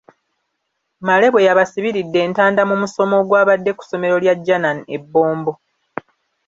Male bwe yabasibiridde entanda mu musomo ogwabadde ku ssomero lya Janan e Bombo.